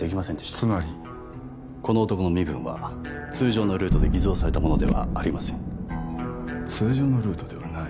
つまりこの男の身分は通常のルートで偽造されたものではありません通常のルートではない？